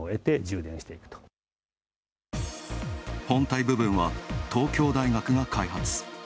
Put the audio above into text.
本体部分は東京大学が開発。